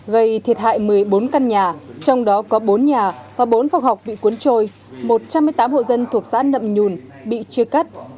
gây thiệt hại một mươi bốn căn nhà trong đó có bốn nhà và bốn phòng học bị cuốn trôi một trăm một mươi tám hộ dân thuộc xã nậm nhùn bị chia cắt